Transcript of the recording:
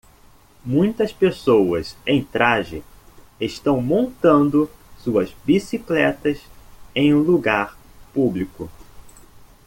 Muitas pessoas em traje estão montando suas bicicletas em um lugar público